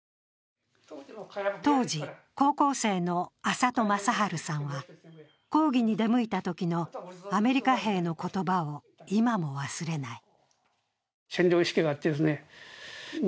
当時高校生の安里正春さんは、講義に出向いたときのアメリカ兵の言葉を今も忘れない。